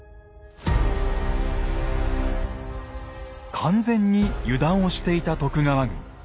完全に油断をしていた徳川軍。